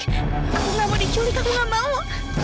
aku nggak mau diculik aku nggak mau